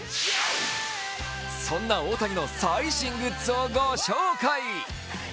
そんな大谷の最新グッズを御紹介。